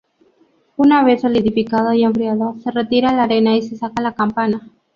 Una vez solidificado y enfriado, se retira la arena y se saca la campana.